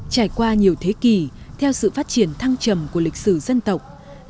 trải qua nhiều thế kỷ theo sự phát triển thăng trầm của lịch sử dân tộc